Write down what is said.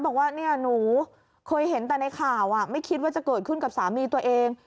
บอกว่าเนี่ยหนูเคยเห็นแต่ในข่าวไม่คิดว่าจะเกิดขึ้นกับสามีตัวเอง